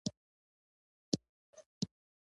احمد د ټول کور سرپرستي پر غاړه لري.